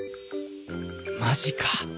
マジか。